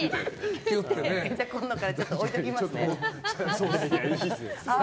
今度から置いておきますね。